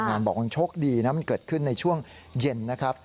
องค์งานบอกว่าชกดีนะมันเกิดขึ้นในช่วงเย็นนะครับ